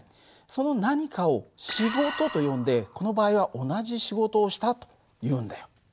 その何かを「仕事」と呼んでこの場合は「同じ仕事をした」というんだよ。